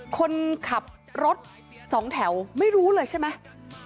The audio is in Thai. คนขับรถสองแถวไม่รู้เลยใช่ไหม